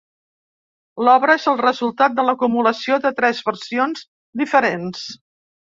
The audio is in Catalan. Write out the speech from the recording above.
L'obra és el resultat de l'acumulació de tres versions diferents.